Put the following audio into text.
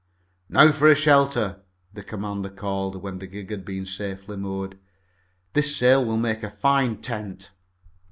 "Now for a shelter!" the commander called, when the gig had been safely moored. "This sail will make a fine tent."